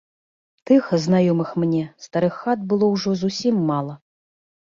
Тых, знаёмых мне, старых хат было ўжо зусім мала.